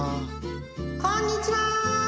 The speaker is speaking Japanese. ・こんにちは！